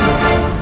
aku sudah menang